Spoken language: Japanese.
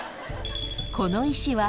［この石は］